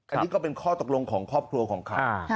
อันนี้ก็เป็นข้อตกลงของครอบครัวของเขา